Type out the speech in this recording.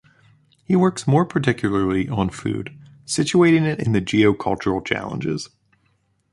He works more particularly on food, situating it in the geo-cultural challenges.